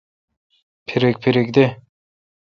پھریک پھریک دہ۔